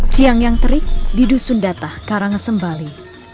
siang yang terik di dusun datah karangasembali